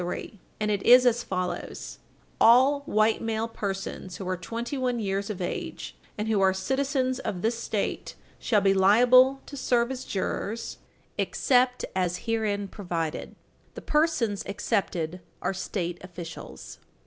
102), and it is as follows: "All white male persons who are twenty one year of age and who are citizens of this State shall be liable to serve as jurors, except as herein provided." The persons excepted are State officials.